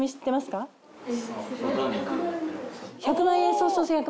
１００万円。